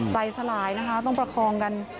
ใจสลายนะคะต้องประคองกัน